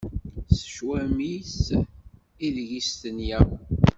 S cwami-s ideg i stenyeɣ.